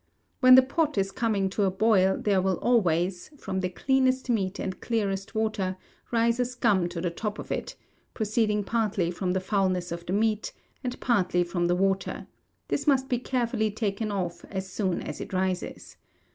When the pot is coming to a boil, there will always, from the cleanest meat and clearest water, rise a scum to the top of it; proceeding partly from the foulness of the meat, and partly from the water: this must be carefully taken off, as soon as it rises.